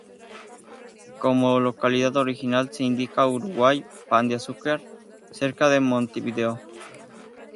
Como localidad original se indica: Uruguay, Pan de Azúcar, cerca de Montevideo.